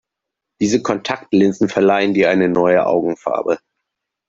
Diese Kontaktlinsen verleihen dir eine neue Augenfarbe.